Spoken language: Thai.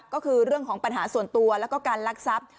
ก็คือเรื่องของปัญหาส่วนตัวแล้วก็การลักทรัพย์